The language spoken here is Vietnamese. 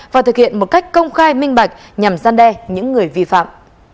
và thực hiện một cách công khai minh bạch nhằm gian đe những người vi phạm